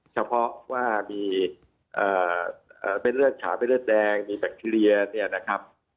เฉพาะว่ามีเป็นเลือดฉาเป็นเลือดแดงมีแบคทีเรียเนี่ยนะครับ